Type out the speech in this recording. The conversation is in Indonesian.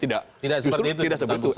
tidak seperti itu